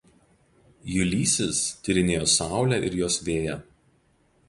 Ulysses tyrinėjo Saulę ir jos vėją.